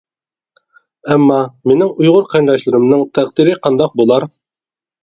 ئەمما مېنىڭ ئۇيغۇر قېرىنداشلىرىمنىڭ تەقدىرى قانداق بولار!